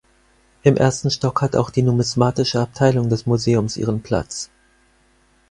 Im ersten Stock hat auch die numismatische Abteilung des Museums ihren Platz.